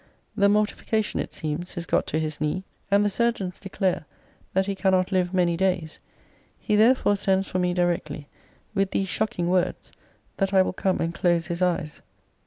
The mortification, it seems, is got to his knee; and the surgeons declare that he cannot live many days. He therefore sends for me directly, with these shocking words, that I will come and close his eyes.